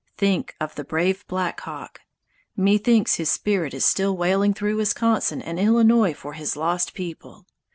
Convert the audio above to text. Think of the brave Black Hawk! Methinks his spirit is still wailing through Wisconsin and Illinois for his lost people!